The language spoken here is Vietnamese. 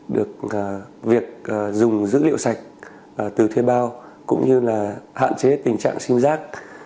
được việc dùng dữ liệu sạch từ thuê bao cũng như là hạn chế tình trạng sim giác